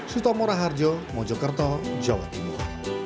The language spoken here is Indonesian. sutomora harjo mojokerto jawa timur